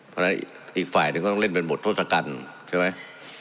เพราะฉะนั้นอีกฝ่ายนึงก็เล่นเป็นบทโทษกรรมใช่ไหม